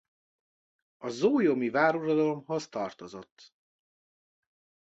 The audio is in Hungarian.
A zólyomi váruradalomhoz tartozott.